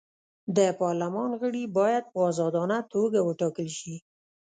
د پارلمان غړي باید په ازادانه توګه وټاکل شي.